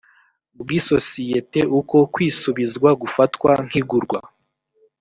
bw’isosiyete uko kwisubizwa gufatwa nk’igurwa